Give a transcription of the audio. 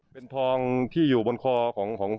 เป็นทองที่อยู่บนคอของพ่อใช่ไหมครับ